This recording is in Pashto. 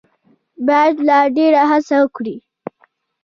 باید لا ډېره هڅه وکړي.